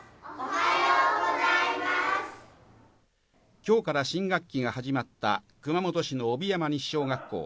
今日から新学期が始まった熊本市の帯山西小学校。